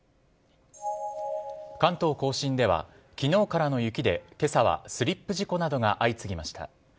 関東甲信では昨日からの雪で今朝はスリップ事故などが相次ぎました。